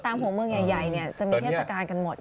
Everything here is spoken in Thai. ตั้งพวงเมืองใหญ่เนี่ยจะมีเทศกาลกันหมด